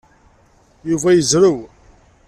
Yuba yezrew.